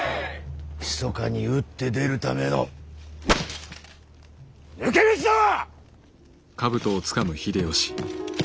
ひそかに打って出るための抜け道だわ！